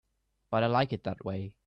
But I like it that way.